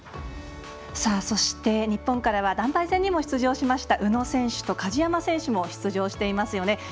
そして、日本からは団体戦にも出場しました宇野選手と鍵山選手も出場していますよね。